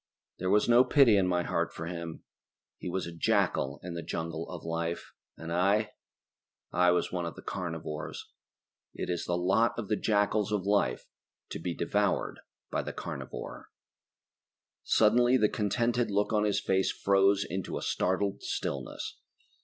There was no pity in my heart for him. He was a jackal in the jungle of life, and I ... I was one of the carnivores. It is the lot of the jackals of life to be devoured by the carnivore. Suddenly the contented look on his face froze into a startled stillness.